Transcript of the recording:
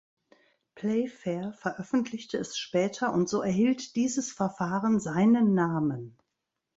Playfair veröffentlichte es später und so erhielt dieses Verfahren seinen Namen.